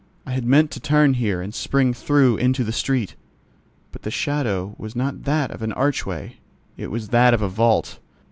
I had meant to turn here and spring through into the street. But the shadow was not that of an archway; it was that of a vault.